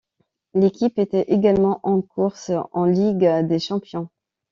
L'équipe était également encore en course en ligue des champions.